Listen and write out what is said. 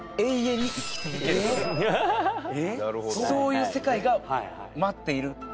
そういう世界が待っている。